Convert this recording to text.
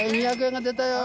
２００円が出たよ！